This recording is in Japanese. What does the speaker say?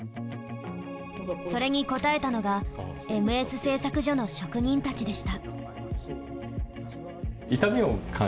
それに応えたのがエムエス製作所の職人たちでした。